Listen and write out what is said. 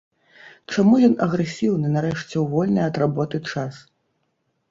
Чаму ён агрэсіўны, нарэшце, у вольны ад работы час?